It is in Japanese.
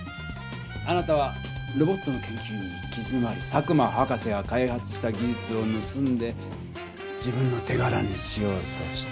あなたはロボットの研究に行きづまり佐久間博士が開発した技術をぬすんで自分のてがらにしようとした。